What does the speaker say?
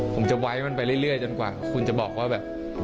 ผมจะไว้มันไปเรื่อยจนกว่าคุณจะบอกว่าแบบ